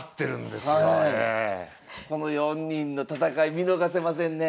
この４人の戦い見逃せませんね。